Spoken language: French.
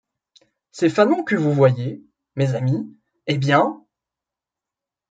Ces fanons que vous voyez, mes amis, eh bien !